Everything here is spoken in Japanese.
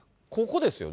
ここですよね。